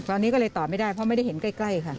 ตอนนี้ก็เลยตอบไม่ได้เพราะไม่ได้เห็นใกล้ค่ะ